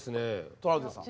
トラウデンさんは？